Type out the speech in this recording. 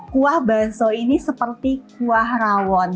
kuah bakso ini seperti kuah rawon